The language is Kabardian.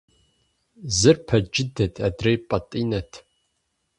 Зыр пэ джыдэт, адрейр пэтӏинэт.